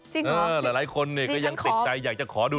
จริงหรอหลายคนก็อย่างติดใจอยากจะขอดู